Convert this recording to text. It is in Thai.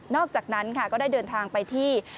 อกจากนั้นค่ะก็ได้เดินทางไปที่